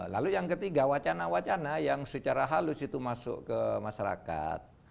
lalu yang ketiga wacana wacana yang secara halus itu masuk ke masyarakat